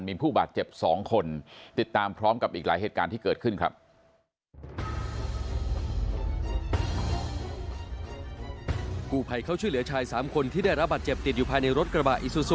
มีผู้บาดเจ็บ๒คนติดตามพร้อมกับอีกหลายเหตุการณ์ที่เกิดขึ้นครับ